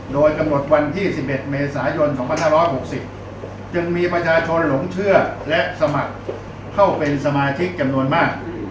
โดยกำหนดวันที่๑๑เมษายน๒๕๖๐จึงมีประชาชนหลงเชื่อและสมัครเข้าเป็นสมาชิกจำนวนมาก